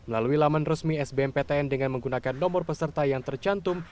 melalui laman resmi sbm ptn dengan menggunakan nomor peserta yang tercantum